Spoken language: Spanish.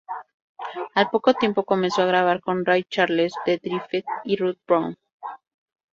Al poco tiempo comenzó a grabar con Ray Charles, The Drifters y Ruth Brown.